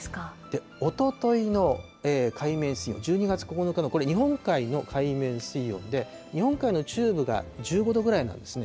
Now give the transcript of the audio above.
おとといの海面水温、１２月９日のこれ、日本海の海面水温で、日本海の中部が１５度ぐらいなんですね。